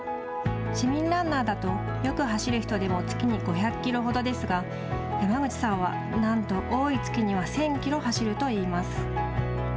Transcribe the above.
市民ランナーだとよく走る人でも月に５００キロほどですが山口さんは、なんと多い月には１０００キロ走るといいます。